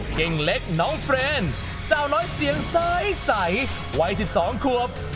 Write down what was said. เก่งเล็กน้องเฟรนสาวน้อยเสียงใสวัย๑๒ควบ